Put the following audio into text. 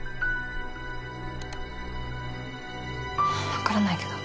分からないけど。